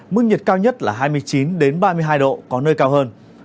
mức nhiệt cao nhất là hai mươi chín ba mươi hai độ có nơi cao hơn